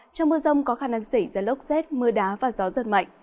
trong mưa rông có khả năng xảy ra lốc xét mưa đá và gió giật mạnh